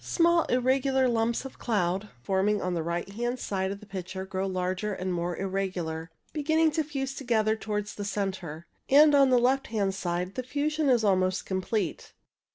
Small irregular lumps of cloud forming on the right hand 70 ALTO CLOUDS side of the picture grow larger and more irregular, begin to fuse together towards the centre, and on the left hand side the fusion is almost complete.